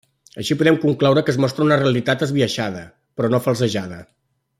Així podem concloure que es mostra una realitat esbiaixada, però no falsejada.